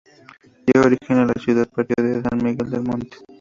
Dio origen a la ciudad y partido de San Miguel del Monte.